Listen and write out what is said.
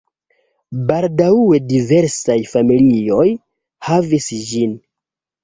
Baldaŭe diversaj familioj havis ĝin.